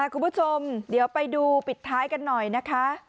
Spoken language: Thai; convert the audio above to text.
คุณผู้ชมเดี๋ยวไปดูปิดท้ายกันหน่อยนะคะ